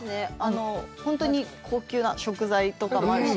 本当に高級な食材とかもあるし。